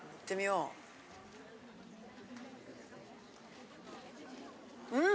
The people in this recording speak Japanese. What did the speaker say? うん！